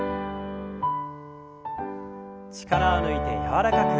力を抜いて柔らかく。